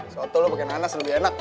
soto lo pakai nanas lebih enak